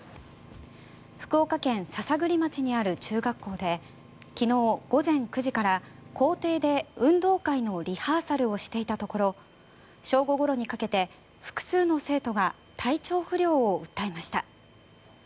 福岡県篠栗町にある中学校で昨日午前９時から校庭で運動会のリハーサルをしていたところ正午ごろにかけて複数の生徒が体調不良を訴えました。